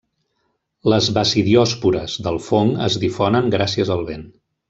Les basidiòspores del fong es difonen gràcies al vent.